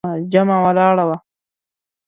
جمعه ولاړه وه.